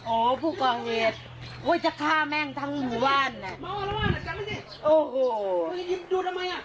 โอ้ผู้กองเวทย์เว้ยจะฆ่าแม่งทั้งหมู่ว่านน่ะ